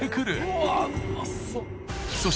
うわうまそっ。